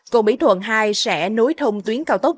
cầu mỹ thuận hai sẽ nối thông tuyến cao tốc